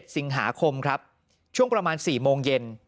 สิงหาคมครับช่วงประมาณ๔โมงเย็น